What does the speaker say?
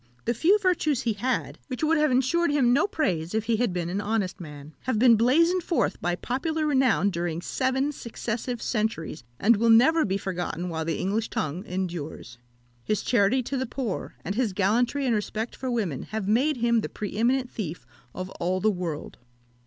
The few virtues he had, which would have ensured him no praise if he had been an honest man, have been blazoned forth by popular renown during seven successive centuries, and will never be forgotten while the English tongue endures. His charity to the poor, and his gallantry and respect for women, have made him the pre eminent thief of all the world.